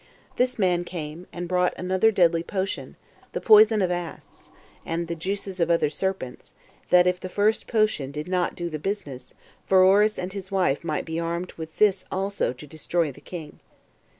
This man came, and brought another deadly potion, the poison of asps, and the juices of other serpents, that if the first potion did not do the business, Pheroras and his wife might be armed with this also to destroy the king.